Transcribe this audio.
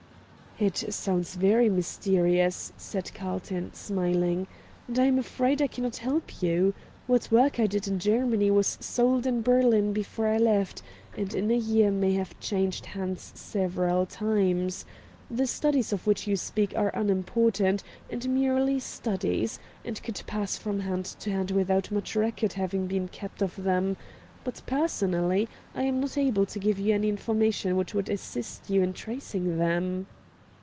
"It sounds very mysterious," said Carlton smiling; "and I am afraid I cannot help you. What work I did in Germany was sold in Berlin before I left, and in a year may have changed hands several times. The studies of which you speak are unimportant, and merely studies, and could pass from hand to hand without much record having been kept of them; but personally I am not able to give you any information which would assist you in tracing them."